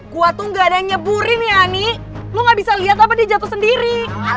gua tuh nggak ada nyebur ini ani lu nggak bisa lihat apa di jatuh sendiri